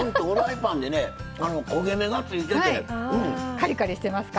カリカリしてますか？